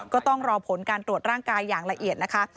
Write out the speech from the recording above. ก็ต้องรอผลการตรวจร่างกายอย่างละเอียดนะคะ